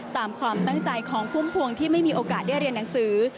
ตามความตั้งใจของพุ่มพวงที่ไม่มีโอกาสได้เรียนหนังสือ